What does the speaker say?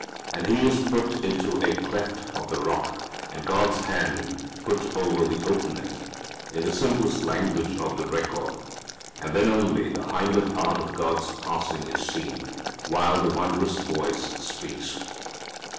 And he is put in to a cleft of the rock, and God's hand put over the opening (in the simple language of the record), and then only the hinder part of God passing is seen, while the wondrous voice speaks.